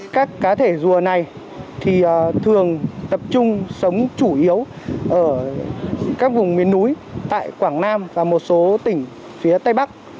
các cá thể rùa này thường tập trung sống chủ yếu ở các vùng miền núi tại quảng nam và một số tỉnh phía tây bắc